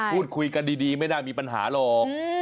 พูดคุยกันดีไม่น่ามีปัญหาหรอก